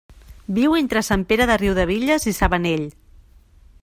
Viu entre Sant Pere de Riudebitlles i Sabanell.